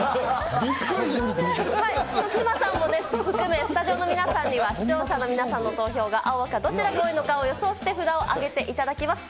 徳島さんも含め、スタジオの皆さんには視聴者の皆さんの投票がどちらが多いのか、予想して札を挙げていただきます。